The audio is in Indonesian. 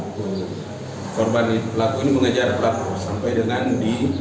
korban pelaku ini mengejar pelaku sampai dengan di